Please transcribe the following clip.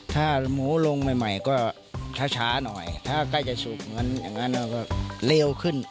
ถ้าหมูลงใหม่ก็ช้าหน่อยถ้าใกล้จะสุกเหมือนอย่างนั้นก็เลวขึ้น